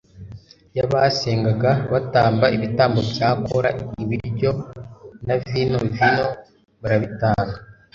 yabasengaga batamba ibitambo bya kola, ibiryo na vino-vino, barabitanga